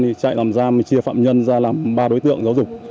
thì trại tạm giam chia phạm nhân ra làm ba đối tượng giáo dục